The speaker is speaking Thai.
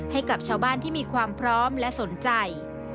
ให้กับชาวบ้านที่มีความพร้อมและสนใจ